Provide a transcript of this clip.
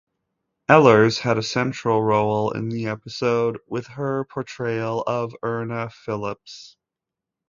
Ehlers had a central role in the episode with her portrayal of Irna Phillips.